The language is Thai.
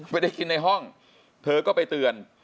ไม่ได้กินในห้องเธอก็ไปเตือน